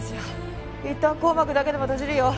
いったん硬膜だけでも閉じるよ。